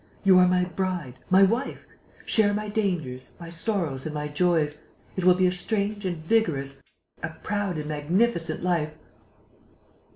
You are my bride ... my wife.... Share my dangers, my sorrows and my joys.... It will be a strange and vigorous, a proud and magnificent life...."